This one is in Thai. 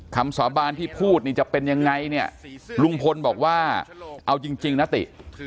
คำสาบานที่พูดนี่จะเป็นยังไงเนี่ยลุงพลบอกว่าเอาจริงนะติ